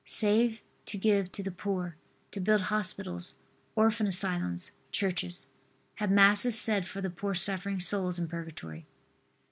Save to give to the poor, to build hospitals, orphan asylums, churches. Have Masses said for the poor suffering souls in Purgatory.